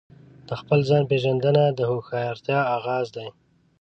د خپل ځان پیژندنه د هوښیارتیا آغاز دی.